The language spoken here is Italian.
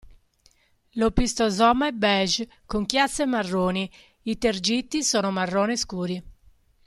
L'opistosoma è beige con chiazze marroni; i tergiti sono marrone scuri.